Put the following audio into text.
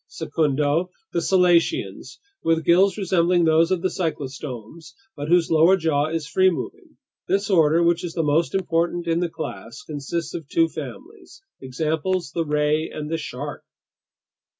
"Secundo, the selacians, with gills resembling those of the cyclostomes but whose lower jaw is free moving. This order, which is the most important in the class, consists of two families. Examples: the ray and the shark."